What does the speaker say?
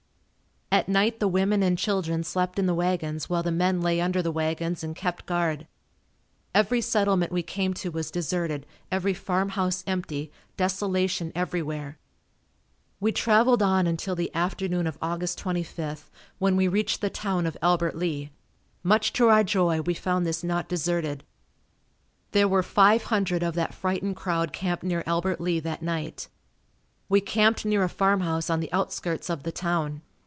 At night the women and children slept in the wagons while the men lay under the wagons and kept guard. Every settlement we came to was deserted, every farm house empty, desolation everywhere. We traveled on until the afternoon of Aug. 25th when we reached the town of Albert Lea. Much to our joy we found this not deserted. There were five hundred of that frightened crowd camped near Albert Lea that night. We camped near a farm house on the outskirts of the town.